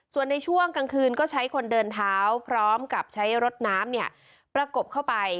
ส่วนในช่วงกลางคืนก็ใช้คนเดินเท้าพร้อมกับใช้รถน้ำประกบเข้าไป